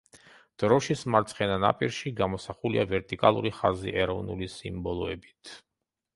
დროშის მარცხენა ნაპირში გამოსახულია ვერტიკალური ხაზი ეროვნული სიმბოლოებით.